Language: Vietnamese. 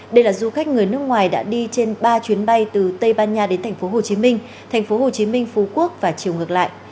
đây là du khách người nước ngoài đã đi trên ba chuyến bay từ tây ban nha đến tp hcm tp hcm phú quốc và chiều ngược lại